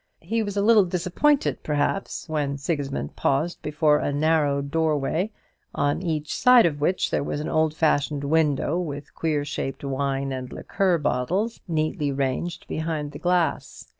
He was a little disappointed, perhaps, when Sigismund paused before a narrow doorway, on each side of which there was an old fashioned window with queer shaped wine and liqueur bottles neatly ranged behind the glass.